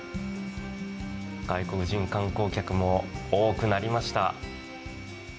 外国人観光客も多くなりました。